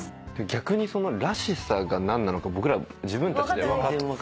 逆にそのらしさが何なのか僕ら自分たちで分かってないかもしれない。